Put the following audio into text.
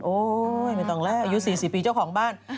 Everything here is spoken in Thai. ไม่ต้องแล้วอายุ๔๐ปีเจ้าของบ้าน